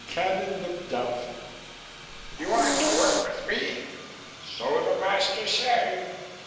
Cadnan looked doubtful. "You are to work with me?" "So the masters say."